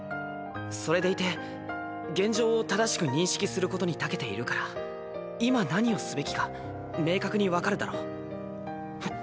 それでいて現状を正しく認識することにたけているから今何をすべきか明確に分かるだろ？